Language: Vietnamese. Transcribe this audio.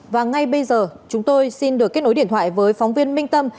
và ngay bây giờ chúng tôi xin được kết nối điện thoại với phóng viên minh tâm